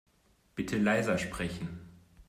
Bitte leiser sprechen.